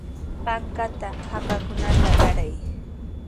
Panqata hakakunata qaray.